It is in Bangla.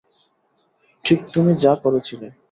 ঠিক তুমি যা করেছিলে।